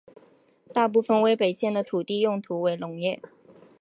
大部分威北县的土地用途为农业。